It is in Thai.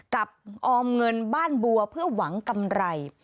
กับออมเงินบ้านบัวเพื่อหวังกำไร